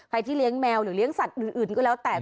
ที่เลี้ยงแมวหรือเลี้ยงสัตว์อื่นก็แล้วแต่